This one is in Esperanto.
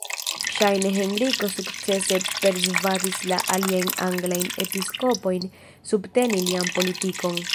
Ŝajne Henriko sukcese persvadis la aliajn anglajn episkopojn subteni lian politikon.